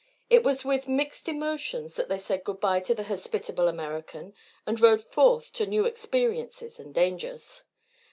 It was with mixed emotions that they said good bye to the hospitable American and rode forth to new experiences and dangers.